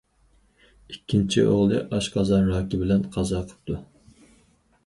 ئىككىنچى ئوغلى ئاشقازان راكى بىلەن قازا قىپتۇ.